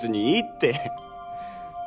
いいって！